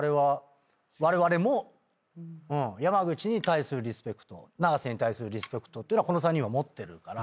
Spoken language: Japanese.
われわれも山口に対するリスペクト長瀬に対するリスペクトっていうのはこの３人は持ってるから。